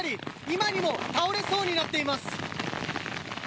今にも倒れそうになっています。